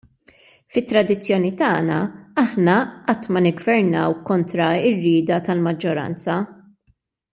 Fit-tradizzjoni tagħna, aħna qatt ma niggvernaw kontra r-rieda tal-maġġoranza.